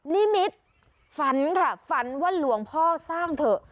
นิมิตรฝันค่ะฝันว่าหลวงพ่อสร้างเถอะ